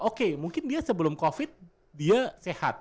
oke mungkin dia sebelum covid dia sehat